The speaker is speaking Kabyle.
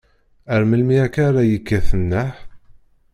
Ar melmi akka ara yekkat nneḥ?